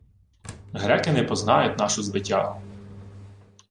— Греки не познають нашу звитягу.